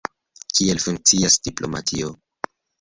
Kiel funkcias diplomatio.